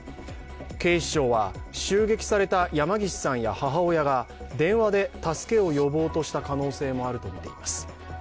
警視庁は、襲撃された山岸さんや母親が電話で助けを呼ぼうとした可能性もあるとみています。